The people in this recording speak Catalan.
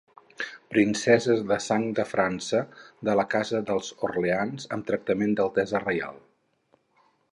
Princesa de sang de França de la casa dels Orleans amb tractament d'altesa reial.